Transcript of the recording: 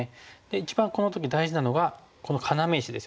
一番この時大事なのがこの要石ですよね。